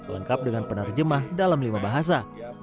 lengkap dengan penerjemah dalam lima bahasa